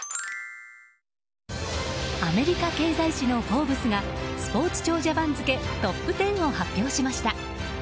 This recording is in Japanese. アメリカ経済誌の「フォーブス」がスポーツ長者番付トップ１０を発表しました。